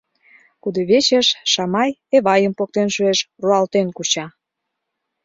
Кудывечеш Шамай Эвайым поктен шуэш, руалтен куча.